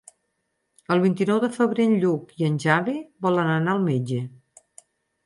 El vint-i-nou de febrer en Lluc i en Xavi volen anar al metge.